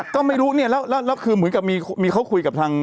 ก็ไม่รู้เนี่ยแล้วคือเหมือนกับมีเขาคุยกับทาง